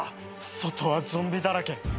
外はゾンビだらけ。